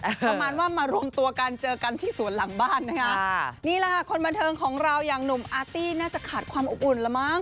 ประมาณว่ามารวมตัวกันเจอกันที่สวนหลังบ้านนะคะนี่แหละค่ะคนบันเทิงของเราอย่างหนุ่มอาร์ตี้น่าจะขาดความอบอุ่นละมั้ง